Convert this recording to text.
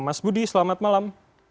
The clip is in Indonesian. mas budi selamat malam